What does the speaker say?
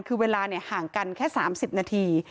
คือเวลาห่างกันแค่๓๐นาที